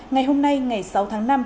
ngày hôm nay ngày sáu tháng năm